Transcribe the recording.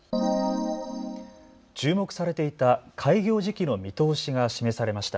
注目されていた開業時期の見通しが示されました。